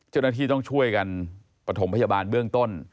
เจ้าหน้าที่ต้องช่วยกันปฐมพยาบาลเบื้องต้น